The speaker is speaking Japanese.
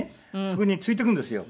そこに連れていくんですよ。